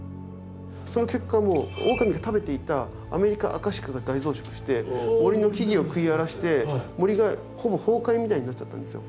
その結果オオカミが食べていたアメリカアカシカが大増殖して森の木々を食い荒らして森がほぼ崩壊みたいになっちゃったんですよ。